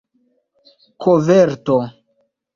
koverto